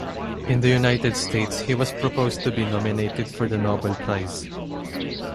In the United States he was proposed to be nominated for the Nobel Prize.